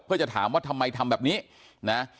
เพื่อจะถามว่าทำไมทำแบบนี้นะ